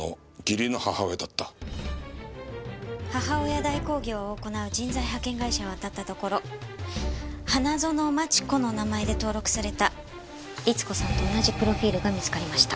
母親代行業を行う人材派遣会社をあたったところ花園町子の名前で登録された律子さんと同じプロフィールが見つかりました。